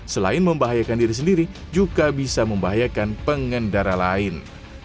selain membahayakan diri sendiri juga bisa membahayakan pengendara lain